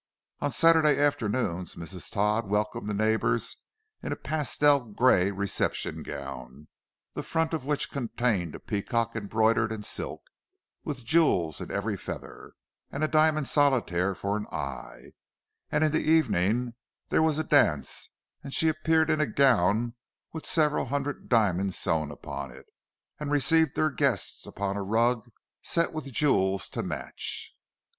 On Saturday afternoons Mrs. Todd welcomed the neighbours in a pastel grey reception gown, the front of which contained a peacock embroidered in silk, with jewels in every feather, and a diamond solitaire for an eye; and in the evening there was a dance, and she appeared in a gown with several hundred diamonds sewn upon it, and received her guests upon a rug set with jewels to match.